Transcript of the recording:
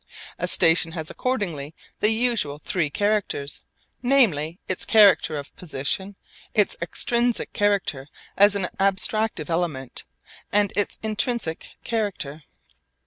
A station has accordingly the usual three characters, namely, its character of position, its extrinsic character as an abstractive element, and its intrinsic character.